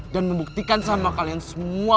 dan membuktikan sama kalian semua